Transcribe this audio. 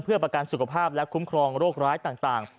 เพื่อประกันสุขภาพและคุ้มครองโรคร้ายต่าง